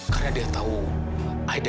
karena dia tahu aida itu kan adalah anaknya